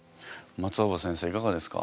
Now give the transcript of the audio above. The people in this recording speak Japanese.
松尾葉先生いかがですか？